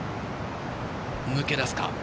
抜け出すか？